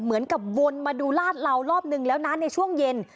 เหมือนกับวนมาดูลาดเหล่ารอบนึงแล้วนะในช่วงเย็น